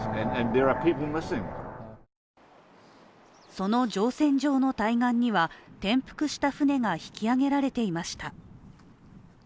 その乗船場の対岸には転覆した舟が引き揚げられていました。